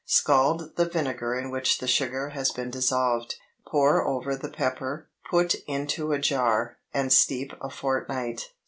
Scald the vinegar in which the sugar has been dissolved; pour over the pepper, put into a jar, and steep a fortnight.